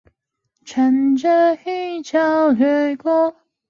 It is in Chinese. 礁坡上生长着石珊瑚和软珊瑚。